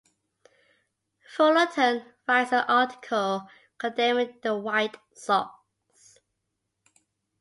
Fullerton writes an article condemning the White Sox.